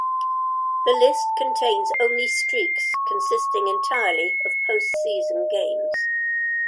This list contains only streaks consisting entirely of postseason games.